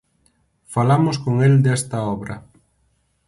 Falamos con el desta obra.